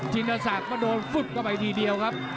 นศักดิ์ก็โดนฟึบเข้าไปทีเดียวครับ